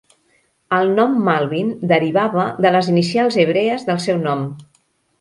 El nom "Malbin" derivava de les inicials hebrees del seu nom.